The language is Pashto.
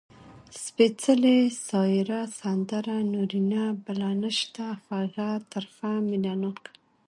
سپېڅلې ، سايره ، سندره، نورينه . بله نسته، خوږَه، ترخه . مينه ناکه